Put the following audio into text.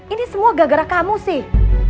ini semua gara gara kamu sih